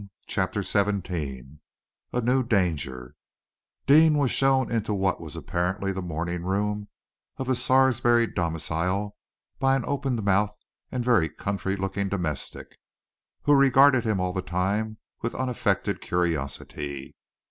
CHAPTER XVII A NEW DANGER Deane was shown into what was apparently the morning room of the Sarsby domicile by an open mouthed and very country looking domestic, who regarded him all the time with unaffected curiosity.